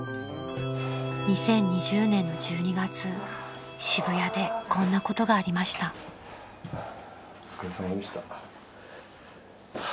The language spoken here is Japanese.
［２０２０年の１２月渋谷でこんなことがありました］ハァ。